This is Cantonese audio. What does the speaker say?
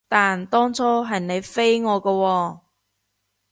但當初係你飛我㗎喎